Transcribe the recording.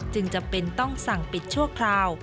จำเป็นต้องสั่งปิดชั่วคราว